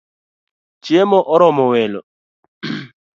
Chiemo oromo welo